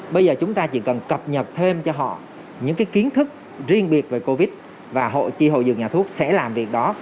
bây giờ chúng ta chỉ cần cập nhật thêm cho họ những kiến thức riêng biệt về covid và chi hội dường nhà thuốc sẽ làm việc đó